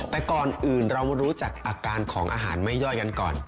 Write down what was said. แต่ก่อนอื่นเรามารู้จักอาการของอาหารไม่ย่อยกันก่อน